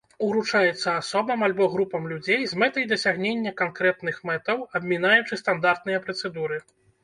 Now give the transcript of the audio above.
Уручаецца асобам альбо групам людзей з мэтай дасягнення канкрэтных мэтаў, абмінаючы стандартныя працэдуры.